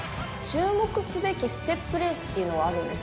注目すべきステップレースっていうのはあるんですか？